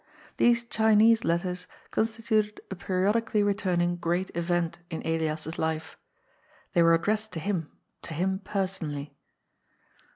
These Chinese letters constituted a periodically returning Great Event in Elias's life. They were addressed to him, to him personally.